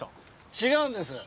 違うんです。